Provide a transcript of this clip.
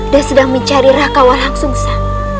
dan sedang mencari raka walangsungsa